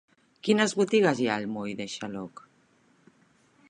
Quines botigues hi ha al moll de Xaloc?